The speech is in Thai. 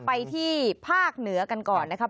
ไปที่ภาคเหนือกันก่อนนะครับ